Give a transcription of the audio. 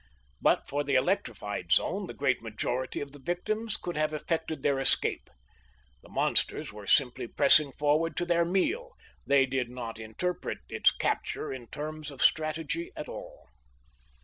But for the electrified zone, the great majority of the victims could have effected their escape. The monsters were simply pressing forward to their meal; they did not interpret its capture in terms of strategy at all.